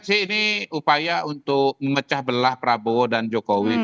ini upaya untuk memecah belah prabowo dan jokowi